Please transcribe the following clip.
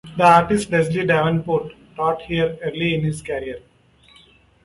The artist Leslie Davenport taught here early in his career.